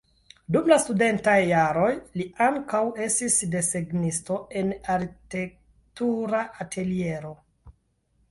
Dum la studentaj jaroj li ankaŭ estis desegnisto en arkitektura ateliero.